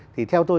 thì theo tôi